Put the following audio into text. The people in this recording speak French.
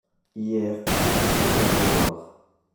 Hier, j’ai échoué dans ma baignoire.